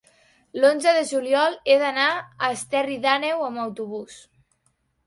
l'onze de juliol he d'anar a Esterri d'Àneu amb autobús.